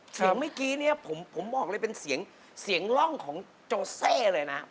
เมื่อกี้เนี่ยผมบอกเลยเป็นเสียงร่องของโจเซ่เลยนะ